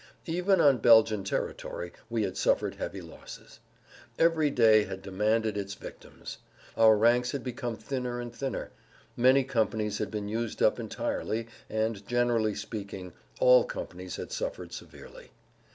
Even on Belgian territory we had suffered heavy losses; every day had demanded its victims; our ranks had become thinner and thinner; many companies had been used up entirely and, generally speaking, all companies had suffered severely.